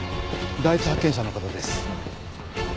第一発見者の方です。